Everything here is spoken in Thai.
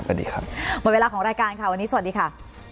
หมดเวลาของรายการค่ะวันนี้สวัสดีค่ะ